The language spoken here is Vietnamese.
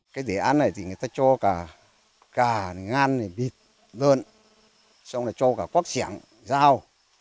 cái đề án này thì người ta cho cả ngàn bịt đơn xong rồi cho cả quốc sản giao